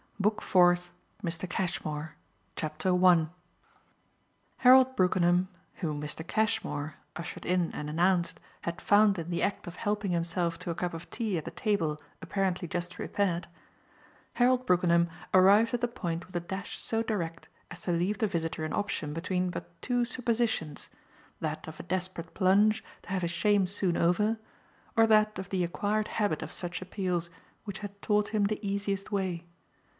BOOK FOURTH. MR. CASHMORE Harold Brookenham, whom Mr. Cashmore, ushered in and announced, had found in the act of helping himself to a cup of tea at the table apparently just prepared Harold Brookenham arrived at the point with a dash so direct as to leave the visitor an option between but two suppositions: that of a desperate plunge, to have his shame soon over, or that of the acquired habit of such appeals, which had taught him the easiest way.